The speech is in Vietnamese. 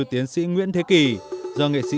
tiến sĩ nguyễn thế kỳ do nghệ sĩ